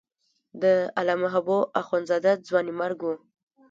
د علامه حبو اخند زاده ځوانیمرګ و.